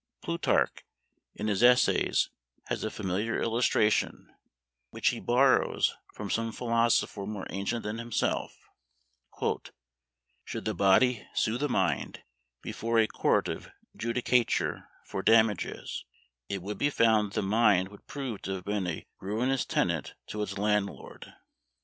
Plutarch, in his essays, has a familiar illustration, which he borrows from some philosopher more ancient than himself: "Should the body sue the mind before a court of judicature for damages, it would be found that the mind would prove to have been a ruinous tenant to its landlord."